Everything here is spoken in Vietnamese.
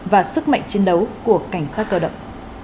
và sức mạnh chiến đấu của cảnh sát cơ động